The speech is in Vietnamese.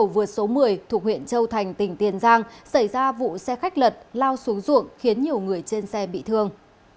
vụ số một mươi thuộc huyện châu thành tỉnh tiền giang xảy ra vụ xe khách lật lao xuống ruộng khiến nhiều người trên xe bị thương